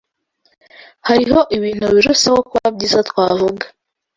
Hariho ibintu biruseho kuba byiza twavuga